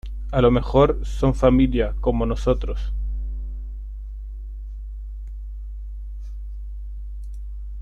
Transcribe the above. a lo mejor son familia, como nosotros.